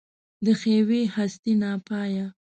د ښېوې هستي ناپایه